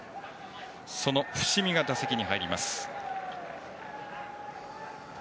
その伏見が打席に入ります。